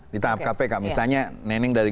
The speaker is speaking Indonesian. di tahap kpk misalnya neneng dari